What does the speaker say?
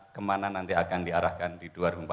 kemana nanti akan diarahkan di dua ribu empat belas